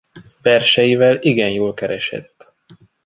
Verseivel igen jól keresett.